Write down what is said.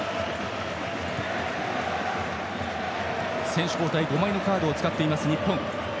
選手交代５枚のカードを使っている日本。